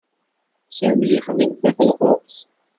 Sami ixdem tafelquqt.